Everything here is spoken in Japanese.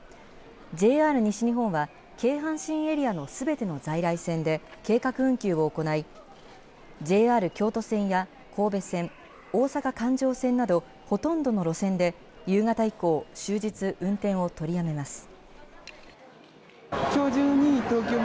ＪＲ西日本は、京阪神エリアのすべての在来線で計画運休を行い、ＪＲ京都線や神戸線、大阪環状線など、ほとんどの路線で夕方以降、終日運転を取りやめます。